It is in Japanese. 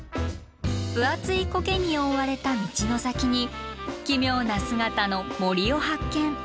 分厚いコケに覆われた道の先に奇妙な姿の森を発見。